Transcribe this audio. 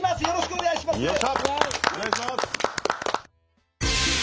よろしくお願いします。